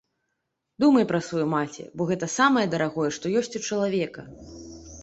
Думай пра сваю маці, бо гэта самае дарагое, што ёсць у чалавека.